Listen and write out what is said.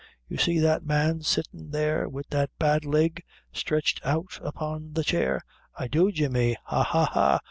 You see that man sittin' there wid that bad leg, stretched out upon the chair?" "I do, Jemmy ha, ha, ha!